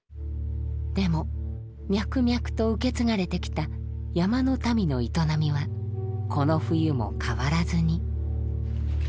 でも脈々と受け継がれてきた山の民の営みはこの冬も変わらずに。